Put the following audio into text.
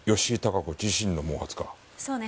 そうね。